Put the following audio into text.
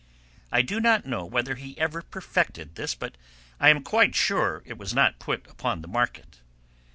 I do not know whether he ever perfected this, but I am quite sure it was not put upon the market.